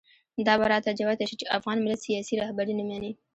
دا به راته جوته شي چې افغان ملت سیاسي رهبري نه مني.